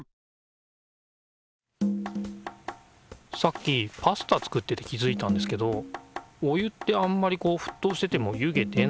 さっきパスタ作ってて気づいたんですけどお湯ってあんまりこうふっとうしてても湯気出ないじゃないですか。